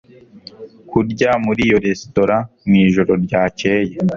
kurya muri iyo resitora mwijoro ryakeye